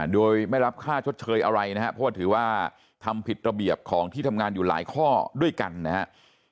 โดยไม่รับค่าชดเชยอะไรนะครับเพราะว่าถือว่าทำผิดระเบียบของที่ทำงานอยู่หลายข้อด้วยกันนะครับ